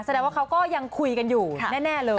แสดงว่าเขาก็ยังคุยกันอยู่แน่เลย